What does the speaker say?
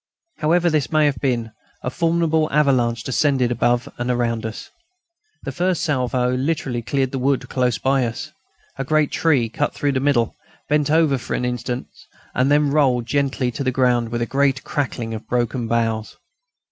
However this may have been, a formidable avalanche descended above and around us. The first salvo literally cleared the wood close by us. A great tree, cut through the middle, bent over for an instant and then rolled gently to the ground with a great crackling of broken boughs.